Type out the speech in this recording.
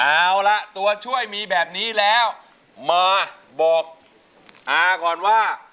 เอาล่ะตัวช่วยมีแบบนี้แล้วมาบอกอาก่อนว่า